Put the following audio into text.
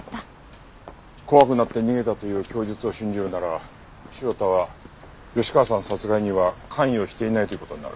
怖くなって逃げたという供述を信じるなら潮田は吉川さん殺害には関与していないという事になる。